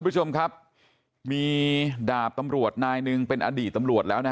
คุณผู้ชมครับมีดาบตำรวจนายหนึ่งเป็นอดีตตำรวจแล้วนะ